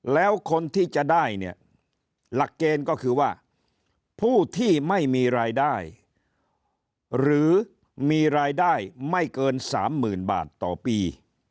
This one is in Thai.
แล้วคนที่จะได้เนี่ยหลักเกณฑ์ก็คือว่าผู้ที่ไม่มีรายได้หรือมีรายได้ไม่เกิน๓๐๐๐บาทต่อปี